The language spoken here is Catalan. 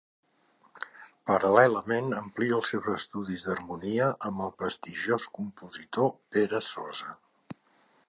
Paral·lelament amplia els seus estudis d'harmonia amb el prestigiós compositor Pere Sosa.